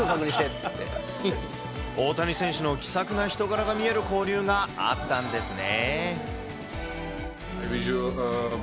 大谷選手の気さくな人柄が見える交流があったんですね。